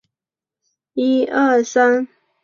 民国二十八年在任上病逝。